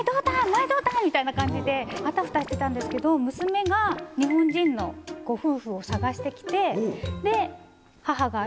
みたいな感じであたふたしてたんですけど娘が日本人のご夫婦を探して来て。